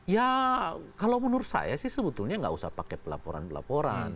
ya kalau menurut saya sih sebetulnya nggak usah pakai pelaporan pelaporan